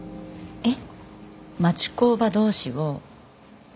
えっ！